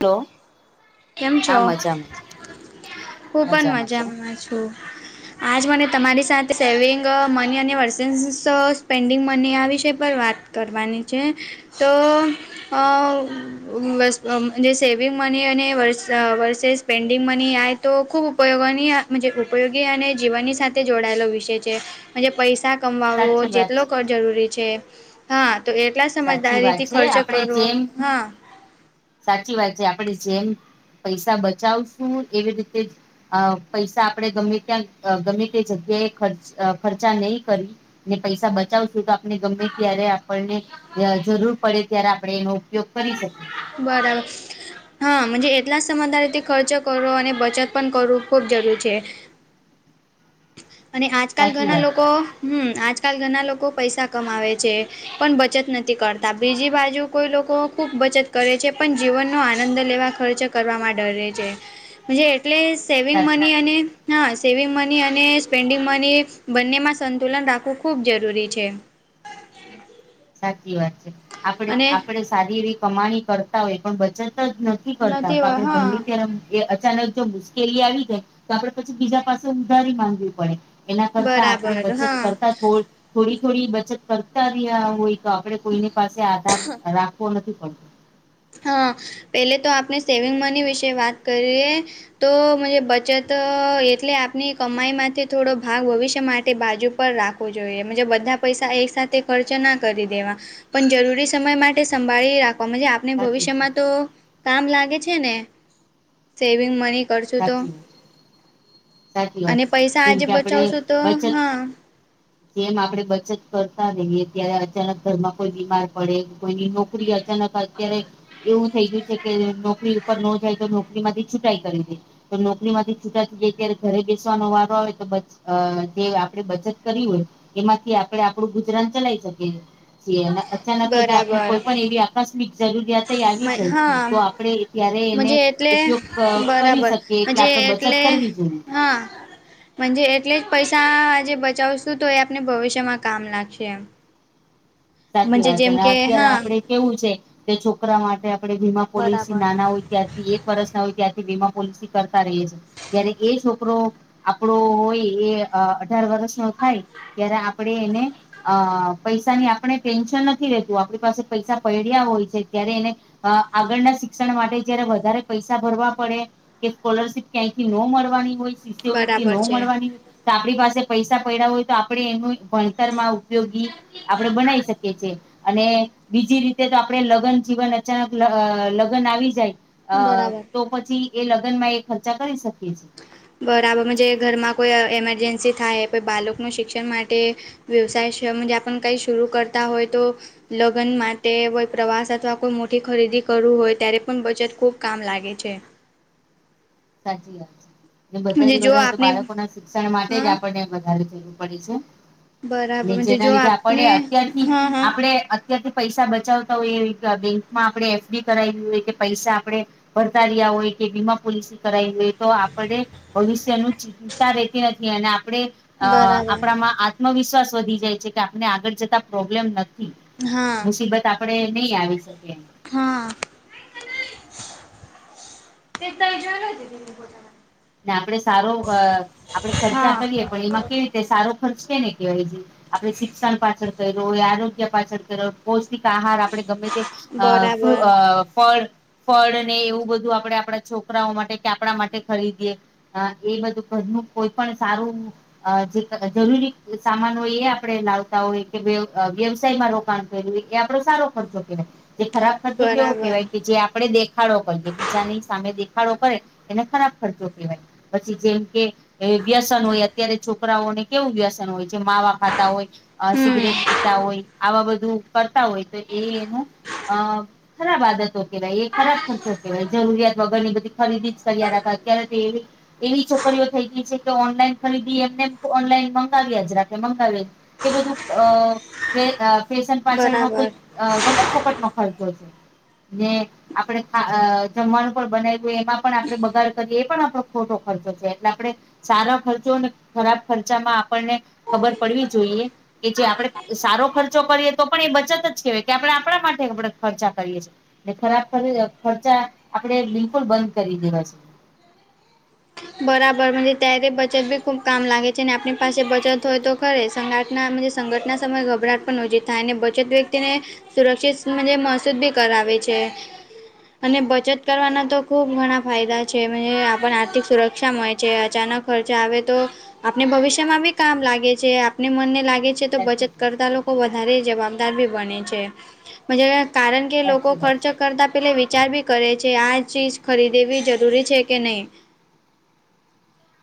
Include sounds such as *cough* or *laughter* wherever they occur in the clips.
લો. કેમ છો? હું પણ મજામાં છું. આજ મને તમારી સાથે સેવિંગ મની અને વર્સન્સ પેન્ડિંગ મની આ વિષય પર વાત કરવાની છે. તો અ જે સેવિંગ મની અને વર્ષે સ્પેન્ડિંગ મની આય તો ખૂબ ઉપયોગ ઉપયોગી અને જીવનની સાથે... જોડાયેલો વિષય છે પૈસા કમાવો સાચી વાત જેટલો છે જરૂરી છે. હા તો એટલા સાચી સમજદારી વાત થી છે ખર્ચો આપણે કરવો જેમ હા... સાચી વાત છે આપણેે જેમ પૈસા બચાવશું એવી રીતે... પૈસા આપણેે ગમે ત્યાં ગમે તે જગ્યા એ ખર્ચ ખર્ચા નહી કરી... ને પૈસા બચાવશું તો આપ... ગમે ત્યારે આપણને જરૂર પડે ત્યારે આપણે એનો ઉપયોગ કરી શકીએ. છીએ બરાબર. હા એટલા જ સમજદારી થી ખર્ચ કરવો અને બચત પણ કરવું ખૂબ જરૂરી છે. અને આજકાલ સાચી ઘરના વાત લોકો... હમ આજકાલ ઘણા લોકો પૈસા કમાવે છે પણ બચત નથી કરતા બીજી બાજુ કોઈ લોકો... ખૂબ બચત કરે છે પણ જીવનનો આનંદ લેવા ખર્ચ કરવામાં ડરે છે. એટલે સેવિંગ સાચી વાત મની અને... હા સેવિગ મની અને સ્પેન્ડિંગ મની બંનેમાં સંતુલન ખૂબ જરૂરી છે. સાચી વાત છે આપડે અને આપડે સારી એવી કમાણી કરતા હોય પણ બચત જ ન... નથી કરતા તો આપડે ગમે ત્યારે મ... એ અચાનક જો મુશ્કેલી આવી જાય તો આપડે પછી બીજા પાસે ઉંધારી માંગવી પડે. એના કરતા આપણેે બરાબર બચત હા કરતા થોડ થોડી થોડી બચત કરતા રિયા હોય. તો આપણે કોઈની પાસે આધાર રાખવો નથી પડતો. હા પેલે તો આપણે સેવિંગ મની વિશે કરીએ. તોઅ *unintelligible* બચતઅ એટલે આપની કમાઈ માંથી થોડો ભાગ ભવિષ્ય માટે બાજુ રાખો. *inaudible* જોઈએ બધા પૈસા એક સાથે ખર્ચ ના કરી દેવા. પણ જરૂરી સમય માટે સંભાળી રાખવા *inaudible* ને સાચું ભવિષ્ય છે માંતો કામ લાગે છે ને સેવિંગ મની. કરશું તો સાચી વાત સાચી વાત અને પૈસા છે જેમ આજે કે આપડે બચાવશું તો બચત હા... જેમ આપડે બચત કરતા રહીએ ત્યારે અચાનક ઘરમાં.. કોઈ બીમાર પડે કોઈની નોકરી અચાનકજ... ક્યારેક એવું થઈ ગયું છે કે નોકરી ઉપર ન જાય તો નોકરી માંથી છૂટાઈ કરી દે. તમ નોકરી માંથી છૂટા થાય ત્યારે... ઘરે બેસવાનો વારો આવે તો બચ અ જે આપડે બચત કરી હોય. એમાંથી આપડે આપડું ગુજરાન ચલાઈ શકીએ. *unintelligible* અચાનક જ આપણે બરાબર કોઈ પણ એવી આકસ્મિક જરૂરિયાત આવી જાય તો આપણે... ત્યારે એને મુજે એટલે ઉપયોગ કરી બરાબર શકીએ એટલે મુજે આપણે બચત એટલે કરવી જોઈએ હા... મુજે એટલે જ પૈસાઆ આજે બચાવશું તો એ આપને ભવિષ્યમાં કામ લાગશે. સાચી મજે વાત છે જેમ અને કે અત્યારે હા આપડે... કેવું છે કે છોકરા માટે આપણે વીમા પોલિસી નાના હોય ત્યારથી એક કે... એક વર્ષના હોય ત્યારથી વીમા પોલિસી કરતા રહી છે જ્યારે એ છોક... *unintelligible* આપડો હોય એ અ અઢાર વર્ષ નો થાય... ત્યારે આપણેે એને અ પૈસાની આપણે... ટેન્શન નથી રહેેતું આપણી પાસે પૈસા પડ્યા હોય છે ત્યારે એને... અ આગળના શિક્ષણ માટે જયારે વધારે પૈસા ભરવા પડે.. કે સ્કોલરશીપ ક્યાંય થી ન મળવાની હોય શિષ્યવૃતિથી ન બરાબર છે. મળવાની હોય..... તો આપણી પાસે પૈસા પડ્યા હોય તો આપણે એનું ભણતર માં ઉપયોગી આપણે બનાવી શકીએ... કેજે અને બીજી રીતે તો આપણે લગ્ન જીવન અચાનક લગન આવી જાય... અ તો પછી એ લગ્ન માં એ ખર્ચા કરી શકીએ છીએ. બરાબર જે ઘરમાં કોઈ એમરજન્સી થાય પર બાળક નુ શિક્ષણ માટે વ્યવસાય છે મંજે આપન કઈ શરુ કરતા હોય તો લગન માટે વય પ્રવાસ અથવા કોઈ મોટી ખરીદી કરવું હોય ત્યારે પણ બચત ખુબ કામ લાગે છે. સાચી વાત છે. એ મજે બધાથી જો બધા તો આપને બાળકો ના શિક્ષણ માટે જ હા આપણને વધારે થયુ છે. *unintelligible* બરાબર મજે જો નીચેના લીધે આપ આપને અત્યારથી હા હા આપડે અહ તેથી પૈસા બચાવતા હોયએ કા બેંકમાં આપડે એફ ડી કરાવવી હોય કે પૈસા આપડે ભર્તારીયા હોય કે બીમા પોલીસી કરાઈ એ તો આપડે ભવિષ્યનું ચિંતા રહેેતી નથી અને આપડે અહ બરાબર આપડામાં આત્મવિશ્વાસ વધી જાય છે કે આપને આગળ જતા પ્રોબ્લેમ ન તી હા મુસીબત આપડે નહી આવી શકીએ. હા. *inaudible* ને આપડે સારો અહ આપડે ખર્ચા હા કરીએ પણ એમાં કેવી રીતે સારો ખર્ચ કે ને કહેવાય આપડે શિક્ષણ પાછળ કરયો આરોગ્ય પાછળ કરયો. પૌષ્ટિક આહાર આપડડે ગમે તે અહ ફરુ બરાબર અહ ફળ ફળ ને એવું બધું આપડે આપડા છોકરાઓ માટે કે આપડા માટે ખરીદ એ અહ એ બધું ઘરનું કોઈ પણ સારું અહ જે જરૂરી સામાન હોય એ આપડે લાવતા હોય કે વ્યવસાયમાં રોકાણ કર્યું એ આપડો સારો ખર્ચો કેવાય જે ખરાબ ખર્ચો કેવો બરાબર કેવાય કે જે આપડેે દે ખાડો કરી બીજાની સામે દેખાડો કરે એને ખરાબ ખર્ચો કહેવાય પછી જેમ કે એ વ્યસન હોય અત્યારે છોકરાઓને કેવું વ્યસ ન હોય જે માવા ખાતા હોય અહ હમ સિગરેટ પીતા હોય આવા બધું કરતા હોય તો એ એનું અહ ખરાબ આદતો કેવાય એ ખરાબ ખર્ચો કેવાય જરૂરિયાત વગરની બધી ખરીદી જ કર્યા રા તા અત્યારે તો એવી એવી છોકરીઓ થઈ ગઈ છે કે ઓનલાઈન ખરીદી એમને ઓનલાઈન મંગાવ્યા જ રાખે મંગાવ્યા એ બધું અહ ફે અહ ફેશન પાછળ માં કોઈ બરાબર અહ વગર ફોકટમાં ખર્ચો છે. ને આપડે આ અહ જમવાનું પણ બનાવ્યું એમાં પણ આપડે બગાર કરીએ એ પણ આપડો ખોટો ખર્ચો છે એટલે આપડે સારુ ખર્ચો ને ખરાબ ખર્ચા માં આપણને ખબર પડવી જોઈએ કે જે આપણે ડે સારો ખર્ચો કરીએ તો પણ એ બચત જ કેહેવાય કે આપડે આપડા માટે આપડા ખર્ચા કરીએ છીએ. ને ખરાબ ખર આપડે બિલકુલ બંધ કરી દેવા છે. બરાબર મંજે ત્યારે બચત બી ખુબ કામ લાગે છે ને આપણી પાસે બચત હોય તો ખરે સંગટના માંજે સંગઠટના સમયે ગભરાટ પણ નજી થાય અને બચત વ્યક્તિને સુરક્ષિત માંજે મસૂદ બી કરાવે છે. અને બચત કરવાના તો ખુબ ઘણા ફાયદા આપને આર્થિક સુર ક્ષા મળે છે અચાનક ખર્ચા આવે તો આપને ભવિષ્ય માં બી કામ લાગે છે આપને મનને લાગે છે તો સાચી બચત કરતા લોકો વધારે જવાબદાર ભી બને છે. મંજે કારણ કે એ વાત લોકો ખર્ચ છે કરતા પેલી વિચાર બી કરે છે આ ચીજ ખરીદેવી જરૂરી છે કે નહીં.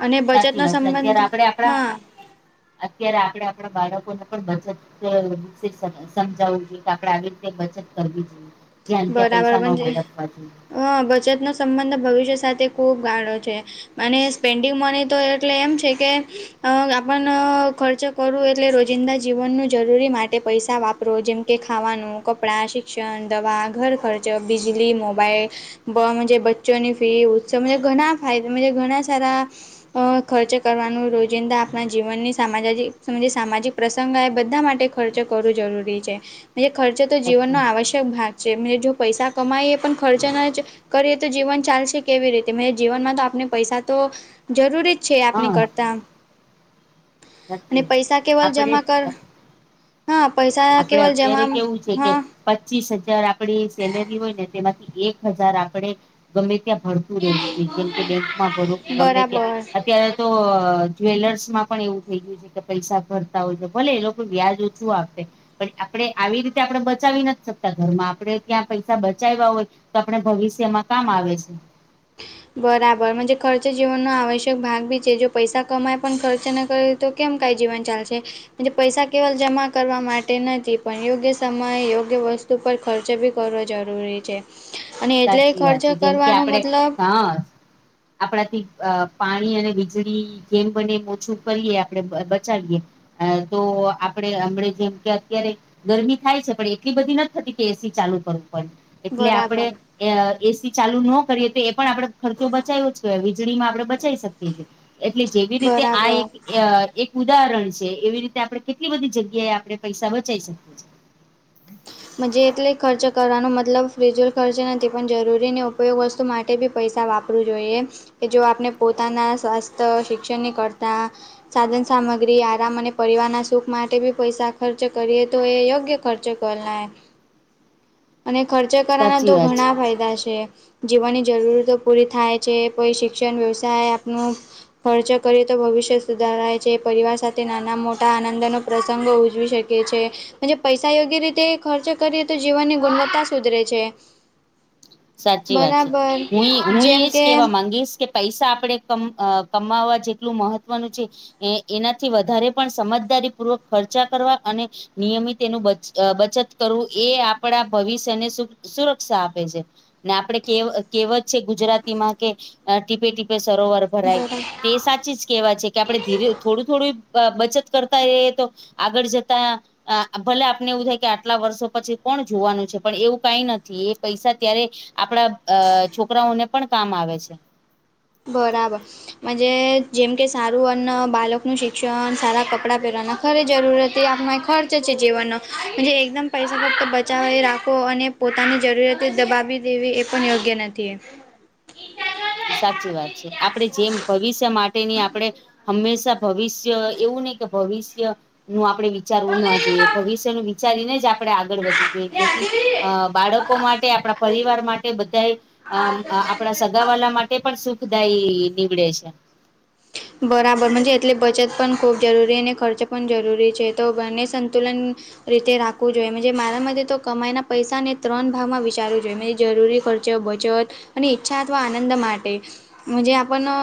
અને સાચી બચતનો વાત છે સંબંધ અત્યારે આપડે આપડા હા અત્યારે આપડે આપડા બાળકોને પણ બચત તો શિક્ષકને સમજાવવું જોઈએ કે આપડે આવી રીતે બચત કરવી જોઈએ. જયા ને તયા પૈસા નો વેળાફવા જોઈએ. હ બચત નો સંબંધ ભવિષ્ય સાથે ખૂબ ગાળો છે. અને સ્પેન્ડિંગ મની તો એટલે એમ છે કે અ આપણને ખર્ચ કરું એટલે રોજિંદા જીવન જરૂરી માટે પૈસા વાપર રોજ જેમ કે ખાવાનું, કપડાં, શિક્ષણ, દવા, ઘર-ખર્ચો, બીજળી, મોબાઈલ *unintelligible* બચ્ચોની ફી ઉત્સવ ઘણા ફાયદા ઘણા સારા ખર્ચ કરવાનું રોજિંદા આપણા જીવનની સામાજિક સામાજિક પ્રસંગ એ બધા માટે ખર્ચો કરવો જરૂરી છે. ખર્ચો તો જીવનનો સાચું આવશ્યક ભાગ જેમ જો પૈસા કમાય એ પણ ખર્ચેના જ કરીએ તો જીવન ચાલશે કેવી રીતે મે જીવનમાં તો આપને પૈસા તો જરૂરી જ છે આપની કરતા. અને નથી પૈસા કેવલ આપડે જમા કર હા પૈસા આપણે કેવલ અત્યારે જમા તો કેવું છે કે હા પચીસ હજાર આપડી સેલેરી હોય ને તેમાંથી એક હજાર આપડે ગમે ત્યાં *unintelligible* *unintelligible* જોઈએ જેમ કે બેકમાં ભરે કે ગમે ત્યાં બરાબર અત્યારે *inaudible* જ્વેલર્સ માં પણ એવું થઈ ગયું છે કે પૈસા ભરતા હોય તો ભલે એ લોકો વ્યાજ ઓછું આપે પણ આપણે આવી રીતે આપણે બચાવી નથી શકતા ઘરમાં આપણે ત્યાં પૈસા બચાવ્યા હોય તો આપણે ભવિષ્યમાં કામ આવે છે. બરાબર *unintelligible* ખર્ચ જીવનનો આવશ્યક ભાગ બી છે જો પૈસા કમાય પણ ખર્ચ ના કરે તો કેમ કાઈ જીવન ચાલશે? *unintelligible* પૈસા કેવલ જમા કરવા માટે નથી પણ યોગ્ય સમયે યોગ્ય વસ્તુ ઉપર ખર્ચો બી કરવો જરૂરી છે અને એટલે સાચી વાત ખર્ચો છે જેમ કે કરવાનો આપડે મતલબ હા આપણાથી પાણી અને વીજળી જેેમ બને એમ ઓછું કરીએ આપડે બચાવીએ હા તો આપડે હમણા જેમ કે અત્યારે ગરમી થાય છે પણ એટલી બધી નથ થતી કે એસી ચાલુ કરવું પડે. એટલે આપડે બરાબર એસી ચાલુ ન કરીએ તો એ પણ આપડે ખર્ચો બચાવ્યો જ કેવાય વીજળી માં આપણેે બચાઈ શકીએ છીએ. એટલે જેવી રીતે આ બરાબર એક એક ઉદાહરણ છે એવી રીતે આપડે કેટલી બધી જગ્યાએ આપણે પૈસા બચાઇ શકીએ છીએ. *unintelligible* એટલે ખર્ચ કરવાનો મતલબ ફીઝુલ ખર્ચો નથી પણ જરૂરી ને ઉપયોગ વસ્તુ મા *unintelligible* બી પૈસા વાપરવું જોઈએ કે જો આપણે પોતાના સ્વાસ્થ્ય શિક્ષણની કરતા સાધન-સામગ્રી આરામ અને પરિવારના સુખ માટે બી પૈસા ખર્ચ કરીએ તો એ યોગ્ય ખર્ચ ગણા *unintelligible* અને ખર્ચો કરવાના સાચી તો વાત છે ઘણા ફાયદા છે. જીવનની જરૂરતો પૂરી થાય છે કોઈ શિક્ષણ વ્યવસાય આપણું ખર્ચો કરીએ તો ભવિષ્ય સુધારાય છે પરિવાર સાથે નાના મોટા આનંદનો પ્રસંગો ઉજવી શ કીએ છીએ અને જો પૈસા યોગ્ય રીતે ખર્ચો કરીએ તો જીવનની ગુણવત્તા સુધરે છે. સાચી વાત છે બરાબર હુંય હુંય જેમ એજ કે કેવા માંગીશ કે પૈસા આપણે કમ કમાવવા જેટલું મહત્વ નું છે એનાથી વધારે પણ સમજદારી પૂર્વક ખર્ચા કરવા અને નિયમિત એનું બચત કરવું એ આપણા ભવિષ્યને શું સુરક્ષા આપે છે. ને આપડે કહેવત છે ગુજરાતીમાં કે ટીપે ટીપે સરોવર ભરાય બરાબર તે સાચીજ કેવા છે કે આપડે ધીરે થોડું થોડું બચત કરતા રહીએ તો આગળ જતા આ ભલે આપને એવું થાય કે આટલા વર્ષો પછી કોણ જોવાનું છે પણ એવું કઈ નથી એ પૈસા ત્યારે આપણા અ છોકરાઓને પણ કામ આવે છે. બરાબર. માન્જે જેમ કે સારું અને બાળકનું શિક્ષણ સારા કપડાં પહેરવાના ખરી જરૂરત એ આપણા ખર્ચ છે જીવનનો જે એકદમ પૈસા ફક્ત બચાવી રાખો અને પોતાની જરૂરિયાતો દબાવી દેવી એ પણ યોગ્ય નથી. સાચી વાત છે આપડે જેમ ભવિષ્ય મા તેની આપણે હંમેશા ભવિષ્ય એવું નહી કે ભવિષ્ય નું આપણે વિચારવું ના જોઈએ ભવિષ્યનું વિચારી ને જ આપણે આગળ વધવું જોઈએ જેથી અ બાળકો માટે આપણા પરિવાર માટે બધાએ અ આપણા સ સગાવાળા માટે પણ સુખદાયી નીવડે છે. *inaudible* બરાબર મનજે એટલે બચત પણ ખૂબ જરૂરી અને ખર્ચ પણ જરૂરી છે તો બંને સંતુલન રીતે રાખવું જોઈએ મનજે મારા મતે તો કમાઈના પૈસાને ત્રણ ભાગમાં વિચારવું જોઈએ એમાં જરૂરી ખ ચો બચત અને ઈચ્છા અથવા આનંદ માટે મનજે આપને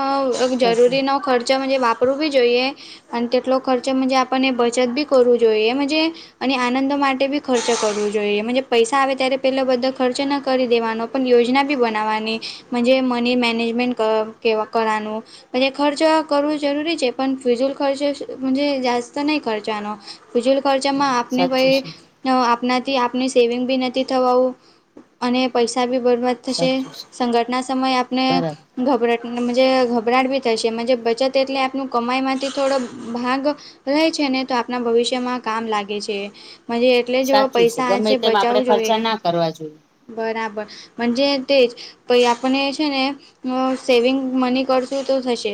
એક જરૂર સાચું ખર્ચો મનજે વાપરવું બી જોઈએ. અને તેટલો ખર્ચો મજે આપણને બચત બી કરવું જોઈએ એ મુંજે અને આનંદો માટે બી ખર્ચ કરવું જોઈએ મજે પૈસા આવે ત્યારે પેલા બધા ખર્ચ ના કરી દેવાનો. પણ યોજના બી બનાવાની મજે મની મેનેજમેન્ટ ક કે કરાનું. મજે ખર્ચો કરવું જરૂરી છે પણ ફિઝૂલ ખર્ચ જ મજે જાસ્ત જ નહી ખર્ચવાનો. ફીઝુલ ખર્ચામાં આપને સાચું છે ભાઈ આપનાથી આપને સેવિંગ બી નથી થવા અને પૈસા બી બરબાદ થશે સાચું છે સંગટના સમયે આપણે બરાબર ગભરાડ મુંજે ગભરાટભી થશેમાં જે બચત એટલે આપણ કમાઈમાંથી થોડો ભાગ રહે છે ને તો આપણા ભવિષ્યમાં કામ લાગે છે મુજે એટલે જો સાચું છે પૈસા ગમે આજે તેમ આપડે બચાવું જોઈએ ખર્ચા એમ ના કરવા જોઈએ. બરાબર મનજે તેજ પાઈ આપને છે ને સેવિંગ મની કરશું તો થશે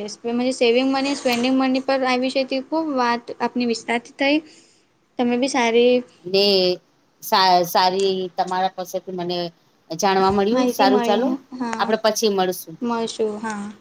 સેવિંગ મની સ્પેન્ડિંગ મની પર આવી છે તે ખૂબ વાત આપની વિસ્તાર થઈ તમે બી સારી ને સા સારી તમારા પાસેથી મને જાણવા મળ્યું માહિતી સારું ચાલુ મળી આપડે પછી મળશુ એઉ હા.